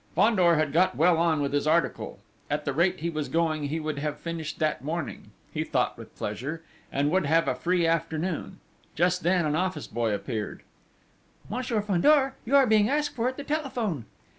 Fandor had got well on with his article: at the rate he was going he would have finished that morning, he thought with pleasure, and would have a free afternoon. Just then an office boy appeared: "Monsieur Fandor, you are being asked for at the telephone."